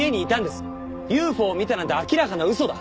ＵＦＯを見たなんて明らかな嘘だ。